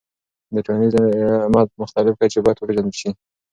د ټولنیز عمل مختلف کچې باید وپیژندل سي.